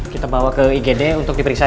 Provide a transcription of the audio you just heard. kita bawa ke igd untuk diperiksa